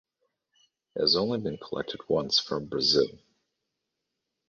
It has only been collected once from Brazil.